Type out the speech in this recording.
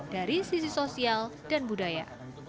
dari sisi sosial dan budaya